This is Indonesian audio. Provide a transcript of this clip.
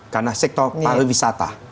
karena sektor pariwisata